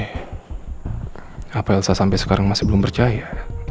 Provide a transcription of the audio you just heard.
kenapa elsa sampai sekarang masih belum percaya